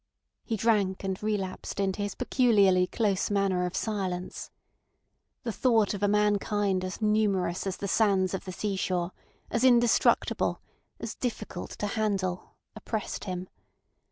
He drank and relapsed into his peculiarly close manner of silence. The thought of a mankind as numerous as the sands of the sea shore, as indestructible, as difficult to handle, oppressed him.